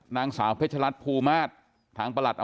นางสาวเพชรรัตน์ภูมาท